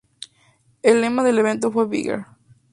El lema del evento fue Bigger!